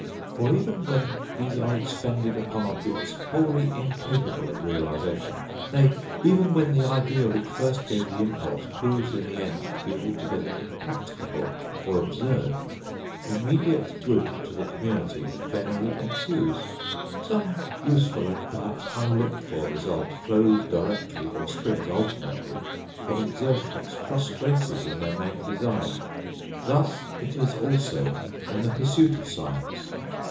For even when these are expended upon objects wholly incapable of realisation, nay, even when the idea which first gave the impulse proves in the end to be altogether impracticable or absurd, immediate good to the community generally ensues; some useful and perhaps unlooked for result flows directly, or springs ultimately, from exertions frustrated in their main design. Thus it is also in the pursuit of science.